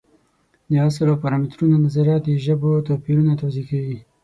د اصل او پارامترونو نظریه د ژبو توپیرونه توضیح کوي.